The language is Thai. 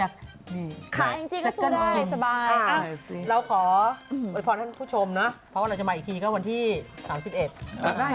ขาแอ็งจีก็สู้ได้สบายสบาย